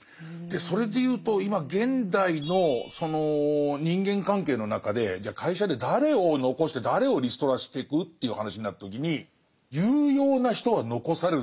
それで言うと今現代のその人間関係の中でじゃあ会社で誰を残して誰をリストラしてく？という話になった時に有用な人は残されると思うんですよ。